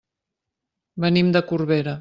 Venim de Corbera.